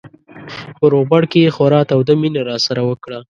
په روغبړ کې یې خورا توده مینه راسره وکړه.